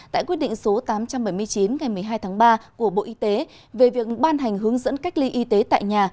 tại quyết định số tám trăm bảy mươi chín ngày một mươi hai tháng ba của bộ y tế về việc ban hành hướng dẫn cách ly y tế tại nhà